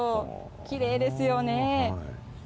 きれいですよね。